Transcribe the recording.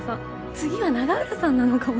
次は永浦さんなのかも。